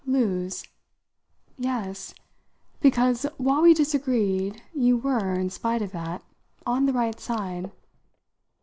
"'Lose'?" "Yes; because while we disagreed you were, in spite of that, on the right side."